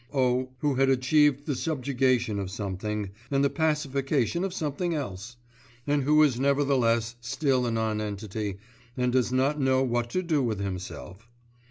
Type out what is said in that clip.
O., who had achieved the subjugation of something, and the pacification of something else, and who is nevertheless still a nonentity, and does not know what to do with himself.